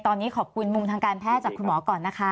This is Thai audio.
ตอนนี้ขอบคุณมุมทางการแพทย์จากคุณหมอก่อนนะคะ